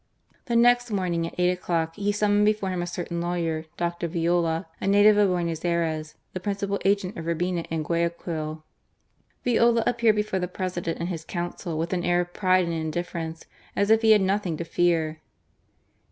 ? The next morning at «ight o'clock he snmm^n^ before him a certain lawyer, Dr, Viola, a native of Buenos Ayres, the principal agent of Urbina io Guayaquil. Viola aj^ared before the President and his Council with an air of pride and indiffer^cef as if he had nothing to fear.